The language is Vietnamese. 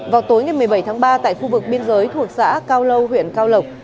vào tối ngày một mươi bảy tháng ba tại khu vực biên giới thuộc xã cao lâu huyện cao lộc